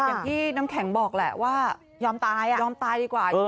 อย่างที่น้ำแข็งบอกแหละว่ายอมตายอ่ะยอมตายดีกว่า